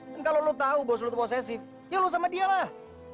dan kalo lo tau bos lo itu posesif ya lo sama dia lah